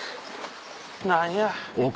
何や。